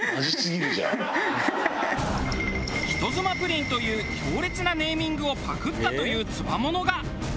「人妻プリン」という強烈なネーミングをパクったというつわものが。